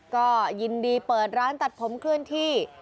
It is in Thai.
ก็ยินดีเปิดร้านตัดผมเคลื่อนที่